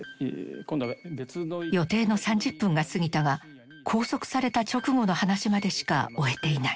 予定の３０分が過ぎたが拘束された直後の話までしか終えていない。